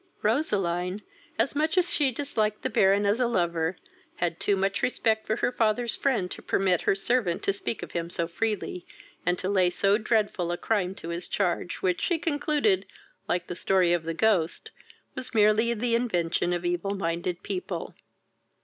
Roseline, much as she disliked the Baron as a lover, had too much respect for her father's friend to permit her servant to speak of him so freely, and to lay so dreadful a crime to his charge, which she concluded, like the story of the ghost, was merely the invention of evil minded people.